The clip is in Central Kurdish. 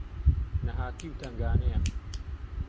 نەهاتی و تەنگانەیە